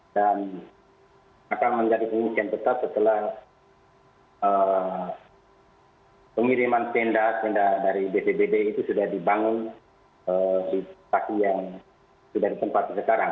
dan akan menjadi pengungsian tetap setelah pengiriman tenda tenda dari bvb itu sudah dibangun di tempat yang sudah ditempatkan sekarang